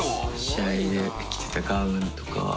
試合で着てたガウンとか。